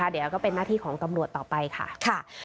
เดี๋ยวก็เป็นหน้าที่ของตำรวจต่อไปค่ะ